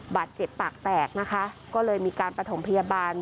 บาดเจ็บปากแตกนะคะก็เลยมีการประถมพยาบาล